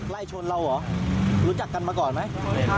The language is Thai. ไล่ชนเราเหรอรู้จักกันมาก่อนไหม